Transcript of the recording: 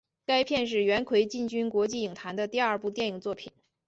该片是元奎进军国际影坛的第二部电影作品。